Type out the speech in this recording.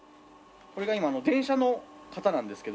これが今電車の型なんですけど。